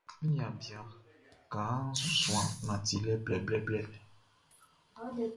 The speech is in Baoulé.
Mi niaan bian kaanʼn su suan nantilɛ blɛblɛblɛ.